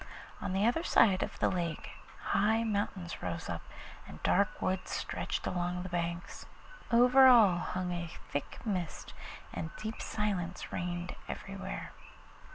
On the other side of the lake high mountains rose up, and dark woods stretched along the banks; over all hung a thick mist, and deep silence reigned everywhere.